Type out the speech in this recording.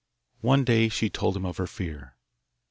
One day she told him of her fear.